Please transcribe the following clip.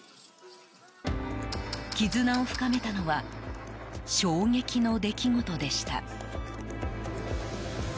絆を深めたのは衝撃の出来事でした。